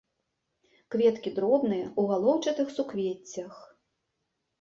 Кветкі дробныя, у галоўчатых суквеццях.